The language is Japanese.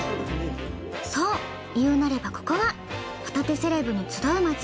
そう言うなればここはホタテセレブの集う街。